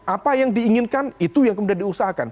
apa yang diinginkan itu yang kemudian diusahakan